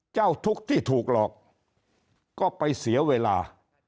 เจ้าทุกข์ที่ถูกหลอกก็ไปเสียเวลา